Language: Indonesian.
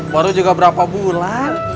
baru juga berapa bulan